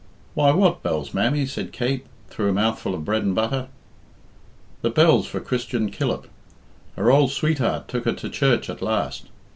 "Why, what bells, mammy?" said Kate, through a mouthful of bread and butter. "The bells for Christian Killip. Her old sweetheart took her to church at last.